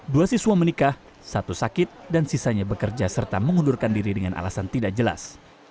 dua siswa menikah satu sakit dan sisanya bekerja serta mengundurkan diri dengan alasan tidak jelas